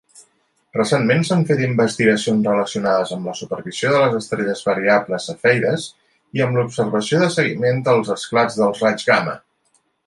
Recentment s'han fet investigacions relacionades amb la supervisió de les estrelles variables cefeides i amb l'observació de seguiment dels esclats de raigs gamma.